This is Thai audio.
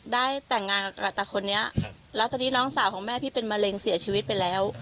ได้แต่งงานกับแต่คนนี้แล้วตอนนี้น้องสาวของแม่พี่เป็นมะเร็งเสียชีวิตไปแล้ว